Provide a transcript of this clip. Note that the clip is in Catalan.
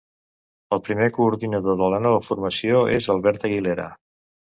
El primer coordinador de la nova formació és Albert Aguilera.